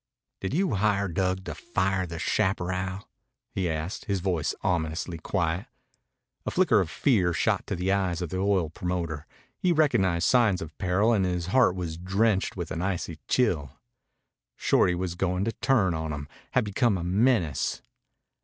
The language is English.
"Did you hire Dug to fire the chaparral?" he asked, his voice ominously quiet. A flicker of fear shot to the eyes of the oil promoter. He recognized signs of peril and his heart was drenched with an icy chill. Shorty was going to turn on him, had become a menace.